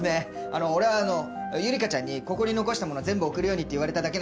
あの俺はあの友梨華ちゃんにここに残した物は全部送るようにって言われただけなんで！